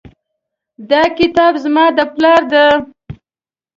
دا کتاب زما د پلار ده